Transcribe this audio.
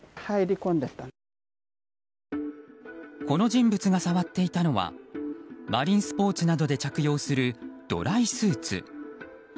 この人物が触っていたのはマリンスポーツなどで着用するドライスーツ。